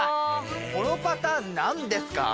このパターン何ですか？